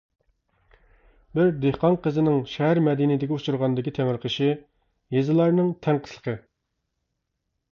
بىر دېھقان قىزىنىڭ شەھەر مەدەنىيىتىگە ئۇچرىغاندىكى تېڭىرقىشى، يېزىلارنىڭ تەڭقىسلىقى.